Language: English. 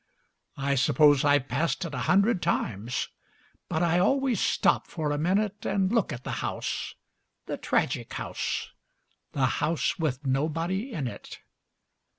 I suppose I've passed it a hundred times, but I always stop for a minute And look at the house, the tragic house, the house with nobody in it.